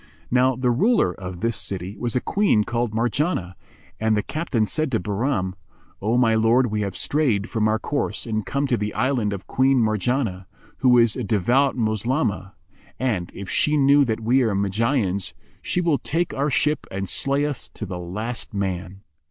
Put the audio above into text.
Now the ruler of this city was a Queen called Marjánah, and the captain said to Bahram, "O my lord, we have strayed from our course and come to the island of Queen Marjanah, who is a devout Moslemah; and, if she know that we are Magians, she will take our ship and slay us to the last man.